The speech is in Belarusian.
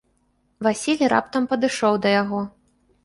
Васіль раптам падышоў да яго.